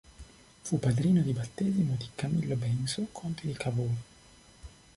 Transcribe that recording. Fu padrino di battesimo di Camillo Benso, conte di Cavour.